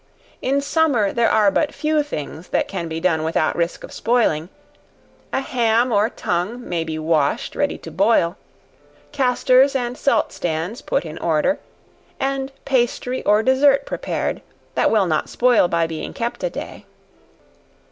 In summer there are but few things that can be done without risk of spoiling: a ham or tongue may he washed ready to boil; castors and salt stands put in order, and pastry or dessert prepared, that will not spoil by being kept a day.